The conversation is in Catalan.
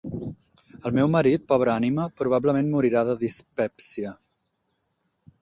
El meu marit, pobra ànima, probablement morirà de dispèpsia.